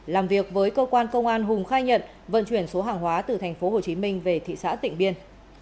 làm việc với cơ quan công an hùng khai nhận vận chuyển số hàng hóa từ thành phố hồ chí minh về thị xã tịnh biên